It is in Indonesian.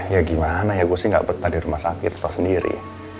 ya gimana ya gua sih gak betah di rumah sakit atau sendiri